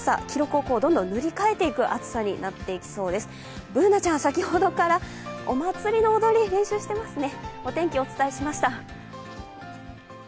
Ｂｏｏｎａちゃん、先ほどからお祭りの踊り、練習してますね。